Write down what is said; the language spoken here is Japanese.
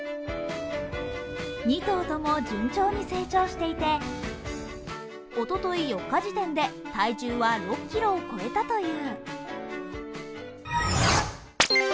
２頭とも順調に成長していて、おととい４日時点で体重は６ｋｇを超えたという。